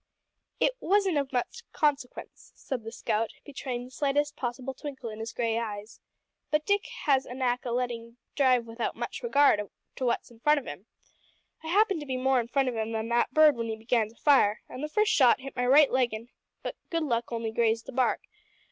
"It wasn't of much consequence," said the scout betraying the slightest possible twinkle in his grey eyes, "but Dick has a knack o' lettin' drive without much regard to what's in front of him. I happened to be more in front of him than that bird when he began to fire, an' the first shot hit my right leggin', but by good luck only grazed the bark.